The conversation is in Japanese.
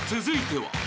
［続いては］